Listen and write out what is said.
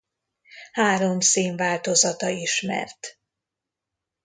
Három színváltozata ismert.